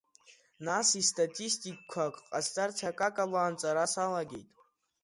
Нас истатистикқәак ҟасҵарц акакала анҵара салагеит.